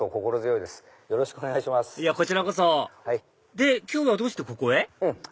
いやこちらこそで今日はどうしてここへ？